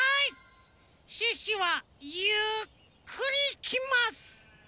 シュッシュはゆっくりいきます！